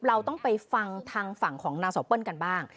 เราต้องไปฟังทางฝั่งของนางสาวเปิ้ลกันบ้าง